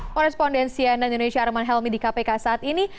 porespondensi nnnh arman helmi di kpk saat ini